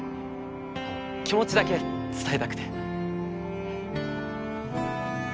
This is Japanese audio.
気持ちだけ伝えたくて。